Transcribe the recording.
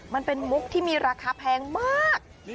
มันเป็นมุกที่มีราคาแพงมาก